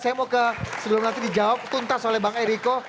sebelum nanti dijawab tuntas oleh bang eriko